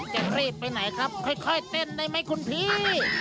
จะรีบไปไหนครับค่อยเต้นได้ไหมคุณพี่